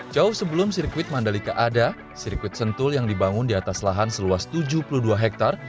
jauh sebelum sirkuit mandalika ada sirkuit sentul yang dibangun di atas lahan seluas tujuh puluh dua hektare